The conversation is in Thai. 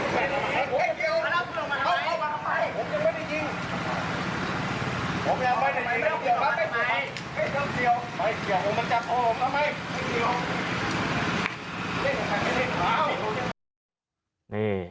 ไปเกี่ยว